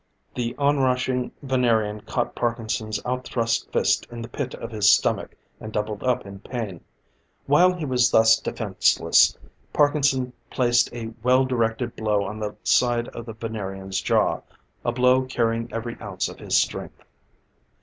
The onrushing Venerian caught Parkinson's out thrust fist in the pit of his stomach, and doubled up in pain. While he was thus defenseless, Parkinson placed a well directed blow on the side of the Venerian's jaw, a blow carrying every ounce of his strength.